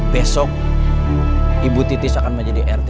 besok ibu titis akan menjadi rt